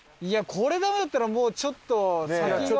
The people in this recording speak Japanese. いやこれダメだったらもうちょっと先が。